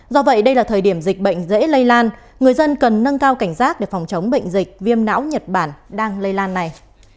do vậy đây là thời điểm dịch bệnh dễ lây lan người dân cần nâng cao cảnh giác để phòng chống bệnh dịch viêm não nhật bản đang lây lan này